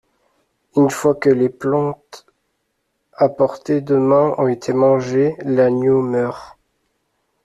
Une fois que les plantes à portée de main ont été mangées, l'agneau meurt.